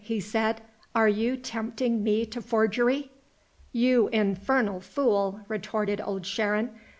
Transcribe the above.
he said. "Are you tempting me to forgery?" "You infernal fool!" retorted Old Sharon.